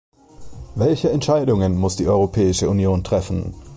Welche Entscheidungen muss die Europäische Union treffen?